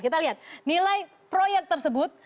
kita lihat nilai proyek tersebut